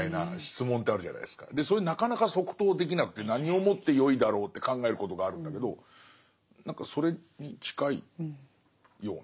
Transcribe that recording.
それなかなか即答できなくて何をもってよいだろうって考えることがあるんだけど何かそれに近いような。